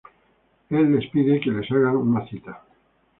Él les pide que les hagan una cita.